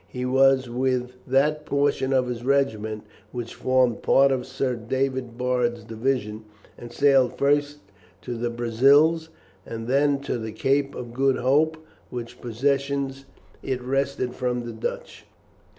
He was with that portion of his regiment which formed part of Sir David Baird's division, and sailed first to the Brazils and then to the Cape of Good Hope, which possession it wrested from the Dutch.